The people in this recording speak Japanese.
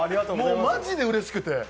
マジでうれしくて。